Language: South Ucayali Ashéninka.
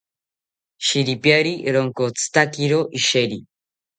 Shiripiari ronkotzitakiro isheri